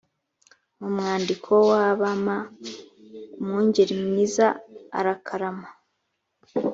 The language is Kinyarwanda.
mu mwandiko rw abama umwungeri mwiza arakarama